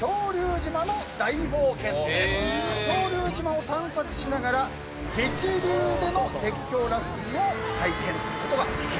恐竜島を探索しながら激流での絶叫ラフティングを体験することができると。